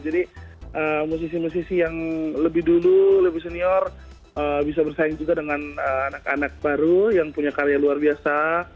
jadi musisi musisi yang lebih dulu lebih senior bisa bersaing juga dengan anak anak baru yang punya karya luar biasa